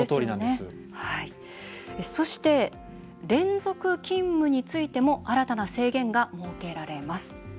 そして連続勤務についても新たな制限が設けられます。